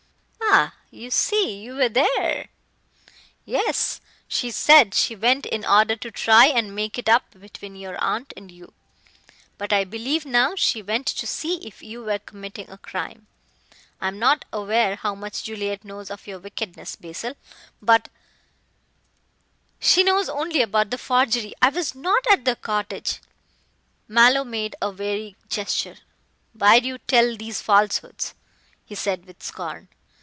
"Ah! you see, you were there. Yes, she said she went in order to try and make it up between your aunt and you. But I believe now she went to see if you were committing a crime. I am not aware how much Juliet knows of your wickedness, Basil, but " "She knows only about the forgery. I was not at the cottage." Mallow made a weary gesture. "Why do you tell these falsehoods?" he said with scorn.